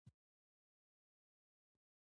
زه په کابل کې اوسېږم.